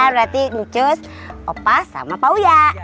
berarti lucu opa sama pak uya